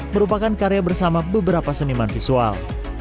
merupakan karya bersama beberapa seniman visual